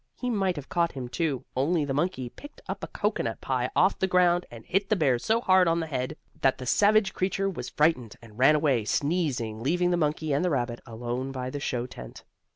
He might have caught him, too, only the monkey picked up a cocoanut pie off the ground and hit the bear so hard on the head, that the savage creature was frightened, and ran away, sneezing, leaving the monkey and the rabbit alone by the show tent.